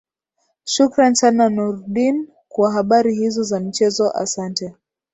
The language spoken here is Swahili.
shukran sana nurdin kwa habari hizo za michezo asante